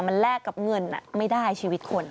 มันแลกกับเงินไม่ได้ชีวิตคน